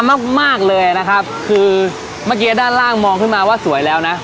มากมากเลยนะครับคือเมื่อกี้ด้านล่างมองขึ้นมาว่าสวยแล้วนะ